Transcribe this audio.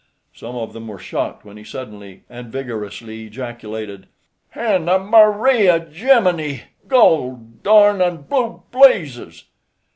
Some of them were shocked when he suddenly and vigorously ejaculated: "Hannah Maria Jemimy! goldarn an' blue blazes!"